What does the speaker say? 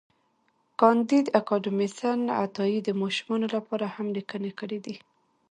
کانديد اکاډميسن عطایي د ماشومانو لپاره هم لیکني کړي دي.